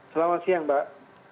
selamat siang mbak